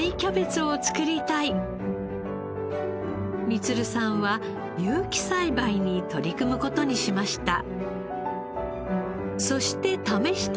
充さんは有機栽培に取り組む事にしました。